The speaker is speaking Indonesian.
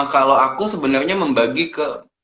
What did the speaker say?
kalau aku sebenarnya membagi ke